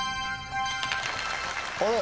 あれ？